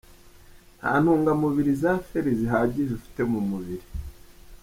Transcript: Nta ntungamubiri za Fer zihagije ufite mu mubiri.